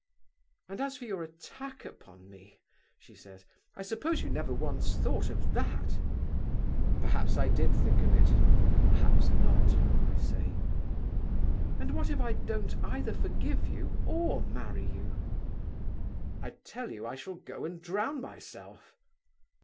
'And as for your attack upon me,' she says, 'I suppose you never once thought of that?' 'Perhaps I did think of it, and perhaps not,' I say. 'And what if I don't either forgive you or marry, you?' 'I tell you I shall go and drown myself.